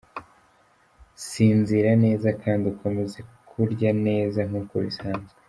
Sinzira neza, kandi ukomeze kurya neza nk’uko bisanzwe.